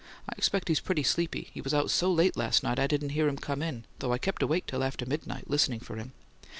"I expect he's pretty sleepy; he was out so late last night I didn't hear him come in, though I kept awake till after midnight, listening for him.